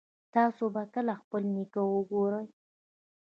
تاسو به کله خپل نیکه وګورئ